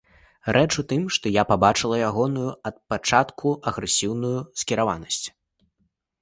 Рэч у тым, што я пабачыла ягоную ад пачатку агрэсіўную скіраванасць.